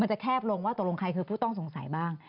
จะแคบลงว่าตกลงใครคือผู้ต้องสงสัยบ้าง